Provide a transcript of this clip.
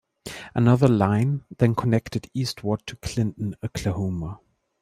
Another line then connected eastward to Clinton, Oklahoma.